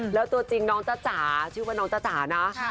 แล้วตัวจริงน้องจ๊ะจ๋าชื่อว่าน้องจ้าจ๋านะ